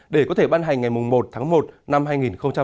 để có thể ban hành ngày một một hai nghìn hai mươi